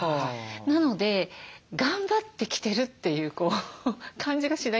なので頑張って着てるという感じがしないんですよ。